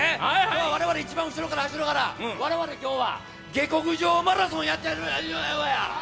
我々一番後ろから走るから、我々、今日は下克上マラソンやってやる！